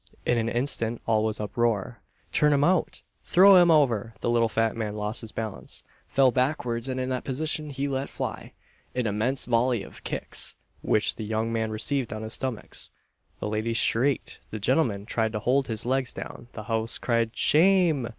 In an instant all was uproar: "Turn him out!" "Throw him over!" The little fat man lost his balance, fell backwards, and in that position he let fly "an immense volley of kicks," which the young man received on his stomach. The ladies shrieked, the gentlemen tried to hold his legs down, the house cried "Shame!"